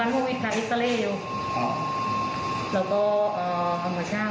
แต่ให้ออกไม่ได้ก็เอิงมาเจ็งความไปตรงนั้นเลย